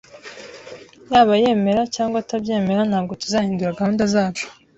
Yaba yemera cyangwa atabyemera, ntabwo tuzahindura gahunda zacu